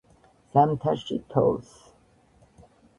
ზამთარში თოვლს